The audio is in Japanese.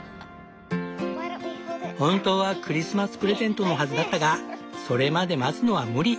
本当はクリスマスプレゼントのはずだったがそれまで待つのは無理。